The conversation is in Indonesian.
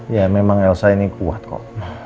ya memang elsa ini kuat kok